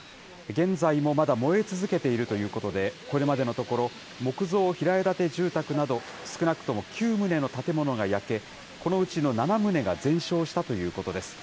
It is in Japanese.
現在もまだ燃え続けているということで、これまでのところ、木造平屋建て住宅など、少なくとも９棟の建物が焼け、このうちの７棟が全焼したということです。